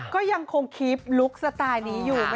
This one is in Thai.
ก็ยังคงคลิปลุคสไตล์นี้อยู่